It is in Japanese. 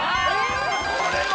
これは！